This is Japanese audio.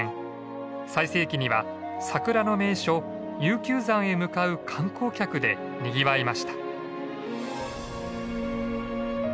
最盛期には桜の名所悠久山へ向かう観光客でにぎわいました。